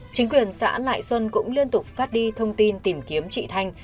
chính quyền xã lại xuân cũng liên tục phát đi thông tin tìm kiếm chị thanh